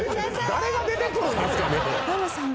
誰が出てくるんですかね？